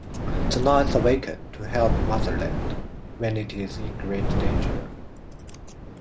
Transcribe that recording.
The knights awaken to help the Motherland when it is in great danger.